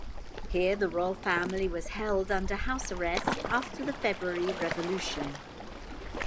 Here the royal family was held under house arrest after the February Revolution.